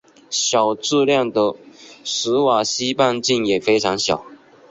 小质量的史瓦西半径也非常小。